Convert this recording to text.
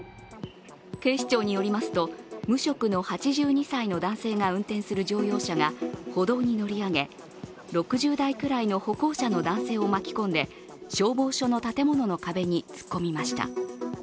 警視庁によりますと、無職の８２歳の男性が運転する乗用車が歩道に乗り上げ、６０代くらいの歩行者の男性を巻き込んで消防署の建物の壁に突っ込みました。